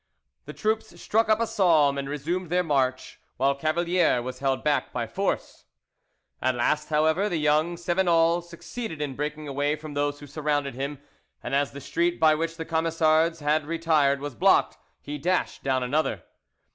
The troops struck up a psalm, and resumed their march, while Cavalier was held back by force. At last, however, the young Cevenol succeeded in breaking away from those who surrounded him, and as the street by which the Camisards had retired was blocked, he dashed down another.